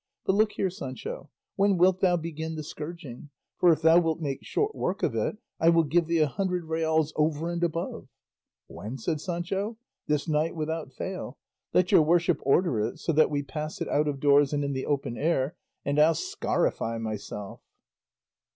But look here, Sancho; when wilt thou begin the scourging? For if thou wilt make short work of it, I will give thee a hundred reals over and above." "When?" said Sancho; "this night without fail. Let your worship order it so that we pass it out of doors and in the open air, and I'll scarify myself."